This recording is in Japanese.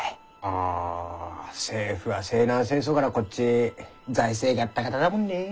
あ政府は西南戦争からこっち財政ガッタガタだもんね。